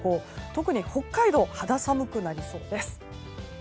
特に北海道肌寒くなりそうです。